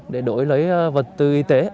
để đổi lấy vật tư y tế